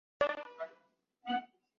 এই, অশোক।